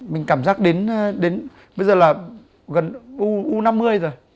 mình cảm giác đến bây giờ là gần u năm mươi rồi